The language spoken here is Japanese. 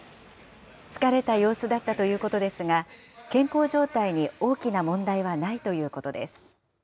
疲れた様子だったということですが、健康状態に大きな問題はないということです。